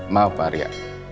maaf pak arya